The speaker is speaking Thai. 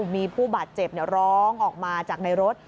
มีผู้บาดเจ็บร้องออกมาจากในรถ